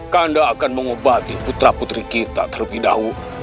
kanda akan mengobati putra putri kita terlebih dahulu